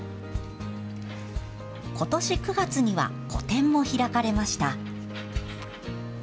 ことし９月には、個展も開かれました。